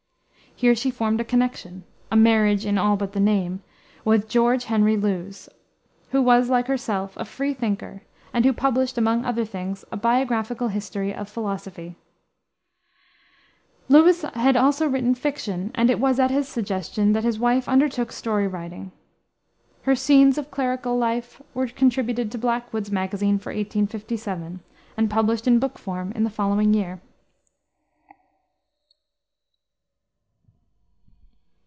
Here she formed a connection a marriage in all but the name with George Henry Lewes, who was, like herself, a freethinker, and who published, among other things, a Biographical History of Philosophy. Lewes had also written fiction, and it was at his suggestion that his wife undertook story writing. Her Scenes of Clerical Life were contributed to Blackwood's Magazine for 1857, and published in book form in the following year.